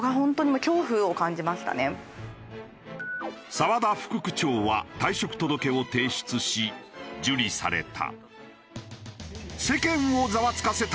澤田副区長は退職届を提出し受理された。